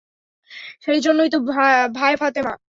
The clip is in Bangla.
সেই জন্যই তো ভায় ফাতেমা।